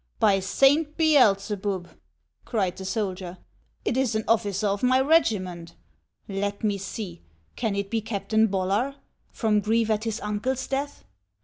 " By Saint Beelzebub !" cried the soldier, " it is an offi cer of my regiment. Let me see ; can it be Captain Bol lar, — from grief at his uncle's death ?